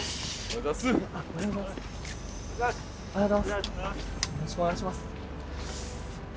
よろしくお願いします。